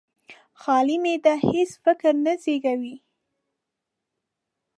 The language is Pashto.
خالي معده هېڅ فکر نه زېږوي.